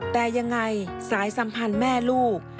แต่ยังไงสายสัมพันธ์แม่ลูก